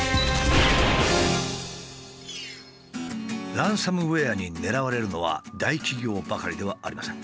ランサムウエアに狙われるのは大企業ばかりではありません。